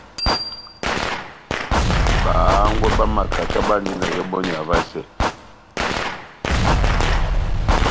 Bahángwɛ bá makaka bandi na ihɔbɔniya vasɛ.